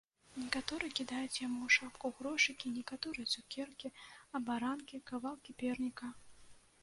Некаторыя кідаюць яму ў шапку грошыкі, некаторыя цукеркі, абаранкі, кавалкі перніка.